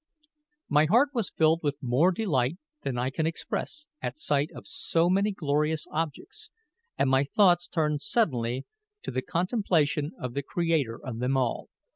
My heart was filled with more delight than I can express at sight of so many glorious objects, and my thoughts turned suddenly to the contemplation of the Creator of them all.